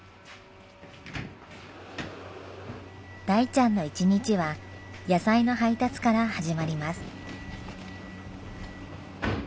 大ちゃんの一日は野菜の配達から始まります。